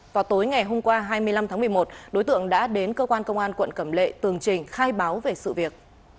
vào tối ngày hôm qua hai mươi năm tháng một mươi một đối tượng đã đến cơ quan công an quận cẩm lệ tường trình khai báo về sự việc